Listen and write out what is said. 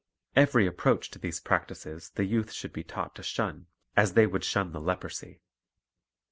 Kvery approach to these practises the youth should be. taught to shun as they would shun the leprosy.